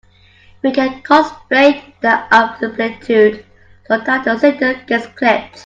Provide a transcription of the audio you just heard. We can constrain the amplitude so that the signal gets clipped.